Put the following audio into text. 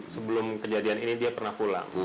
sebelum kejadian ini dia pernah pulang